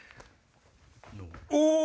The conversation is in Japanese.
お！